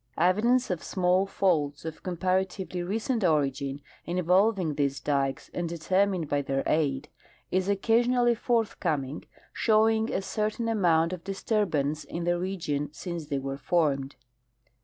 Evidence of small faults of comparatively recent origin, involving these dikes and determined by their aid, is occasionally forthcoming, showing a certain amount of disturbance in the region since they were formed.